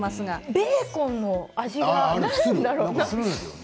ベーコンの味は何なんだろう？